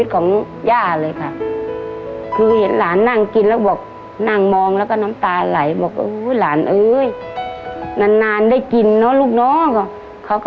แต่นึกถึงภาพนะที่เขาบอกนะบอกว่าวันนั้นกินเกลี้ยงเลยคุณ